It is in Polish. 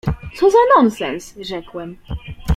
„Co za nonsens!” — rzekłem.